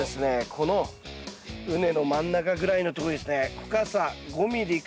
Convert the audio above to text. この畝の真ん中ぐらいのとこにですね